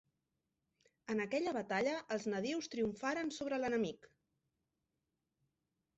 En aquella batalla els nadius triomfaren sobre l'enemic.